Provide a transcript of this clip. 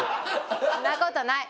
そんなことない。